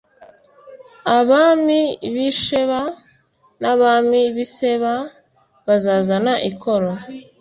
abami b'i sheba n'abami b'i seba bazazana ikoro